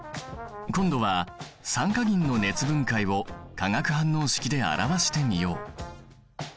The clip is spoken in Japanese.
今度は酸化銀の熱分解を化学反応式で表してみよう！